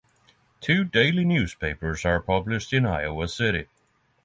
Two daily newspapers are published in Iowa City.